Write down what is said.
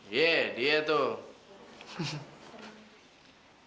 iya dia tuh